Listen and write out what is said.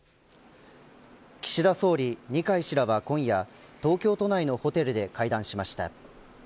岸田総理、二階氏らは今夜東京都内のホテルで会談しました。